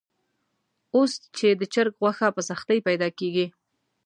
اوس چې د چرګ غوښه په سختۍ پیدا کېږي.